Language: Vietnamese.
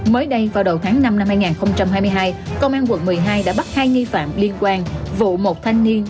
mới đây vào đầu tháng năm năm hai nghìn hai mươi hai công an quận một mươi hai đã bắt hai nghi phạm liên quan vụ một thanh niên